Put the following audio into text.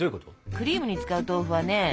クリームに使う豆腐はね